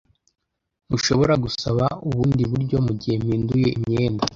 Ntushobora gusaba ubundi buryo mugihe mpinduye imyenda?